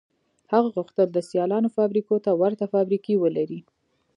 هغه غوښتل د سیالانو فابریکو ته ورته فابریکې ولري